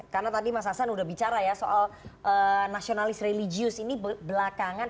karena tadi mas hasan udah bicara ya soal nasionalis religius ini belakangan